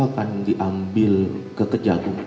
akan diambil ke kejagung